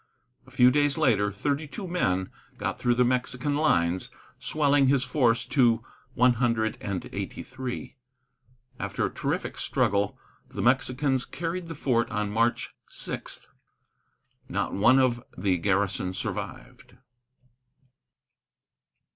A few days later, thirty two men got through the Mexican lines, swelling his force to one hundred and eighty three. After a terrific struggle, the Mexicans carried the fort on March 6. Not one of the garrison survived.